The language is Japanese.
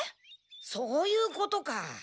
そういうことか。